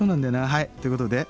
はいということで。